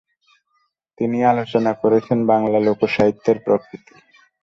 তিনি আলোচনা করেছেন বাংলা লোকসাহিত্যের প্রকৃতি।